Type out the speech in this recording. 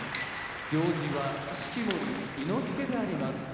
行司は式守伊之助であります。